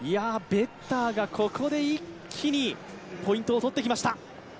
ベッターがここで一気にポイントを取ってきました。